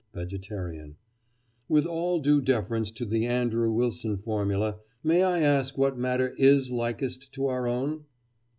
VEGETARIAN: With all due deference to the Andrew Wilson formula, may I ask what matter is likest to our own?